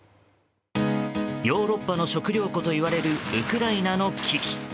ヨーロッパの食料庫といわれるウクライナの危機。